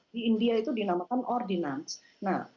di india itu dinamakan ordinance